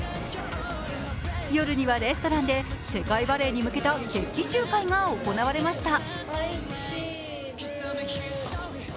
夜にはレストランで世界バレーに向けた決起集会が行われました。